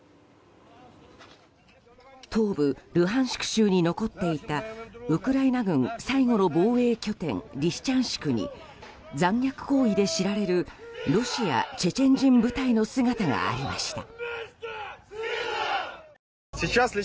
州に残っていたウクライナ軍最後の防衛拠点リシチャンシクに残虐行為で知られるロシア、チェチェン人部隊の姿がありました。